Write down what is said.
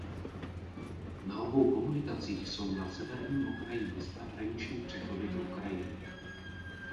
Na obou komunikacích jsou na severním okraji města hraniční přechody do Ukrajiny.